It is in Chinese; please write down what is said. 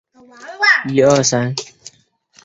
吠舍男子与刹帝利女子所生下的后代叫做摩偈闼。